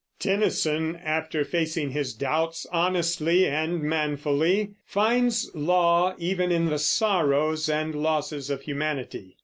Tennyson, after facing his doubts honestly and manfully, finds law even in the sorrows and losses of humanity.